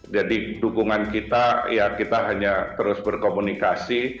jadi dukungan kita ya kita hanya terus berkomunikasi